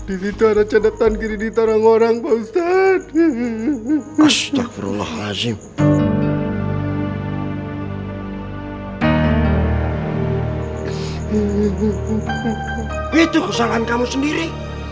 itu kesalahan kamu sendiri